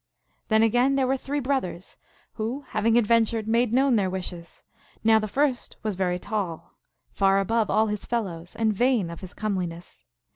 Then again there were three brothers, who, having adventured, made known their wishes. Now the first was very tall, far above all his fellows, and vain of his comeliness.